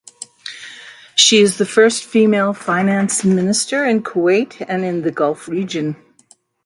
She is the first female finance minister in Kuwait and in the Gulf region.